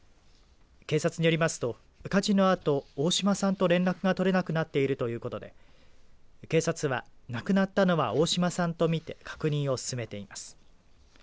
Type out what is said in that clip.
警察によりますと火事のあと、大嶋さんと連絡が取れなくなっているということで警察は、亡くなったのは大嶋さんと見て確認を進めています。